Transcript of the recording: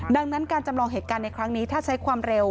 ดังนั้นการจำลองเหตุการณ์ในครั้งนี้ถ้าใช้ความเร็ว